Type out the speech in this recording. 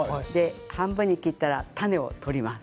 半分に切ったら種を取ります。